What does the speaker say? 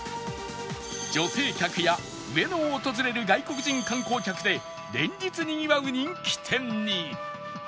女性客や上野を訪れる外国人観光客で連日にぎわう人気店に